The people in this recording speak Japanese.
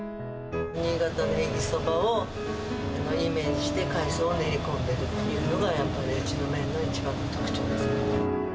新潟のへぎそばをイメージして海藻を練り込んでるっていうのが、やっぱりうちの麺の一番の特徴ですね。